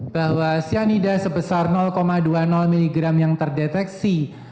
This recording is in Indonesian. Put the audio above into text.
bahwa cyanida sebesar dua puluh miligram yang terdeteksi